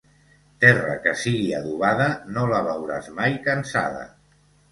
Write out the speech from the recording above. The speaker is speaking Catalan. Terra que sigui adobada no la veuràs mai cansada.